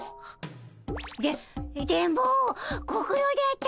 で電ボご苦労であったの。